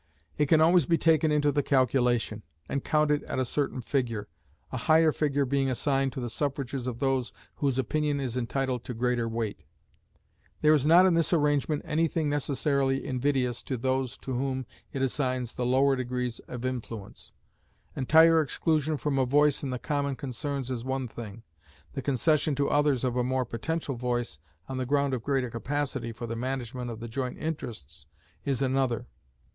It can always be taken into the calculation, and counted at a certain figure, a higher figure being assigned to the suffrages of those whose opinion is entitled to greater weight. There is not in this arrangement any thing necessarily invidious to those to whom it assigns the lower degrees of influence. Entire exclusion from a voice in the common concerns is one thing: the concession to others of a more potential voice, on the ground of greater capacity for the management of the joint interests, is another.